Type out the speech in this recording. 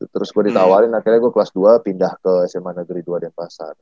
terus gue ditawarin akhirnya gue kelas dua pindah ke sma negeri dua denpasar